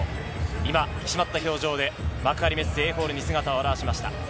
今、引き締まった表情で幕張メッセＡホールに姿を現しました。